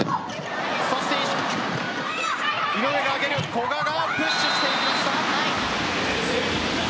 古賀がプッシュしていきました。